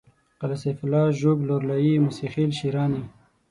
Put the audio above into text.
قلعه سيف الله ژوب لورلايي موسی خېل شېراني